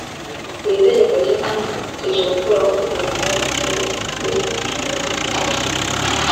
Iri tegeko rishya kandi rije gukuraho urundi rujijo rwari mu ryari risanzwe rigenga imicungire y’umutungo w’abashyingiranywe